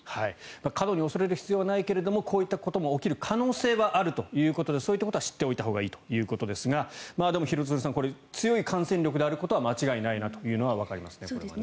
過度に恐れる必要はないけれどもこういったことも起きる可能性はあるということでそういったことは知っておいたほうがいいということですがでも廣津留さん強い感染力であることは間違いないなということはわかりますね。